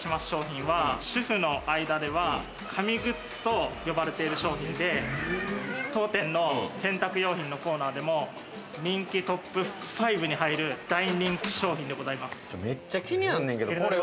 商品は主婦の間では神グッズと呼ばれている商品で、当店の洗濯用品のコーナーでも人気トップ５に入る大人気商品でございます。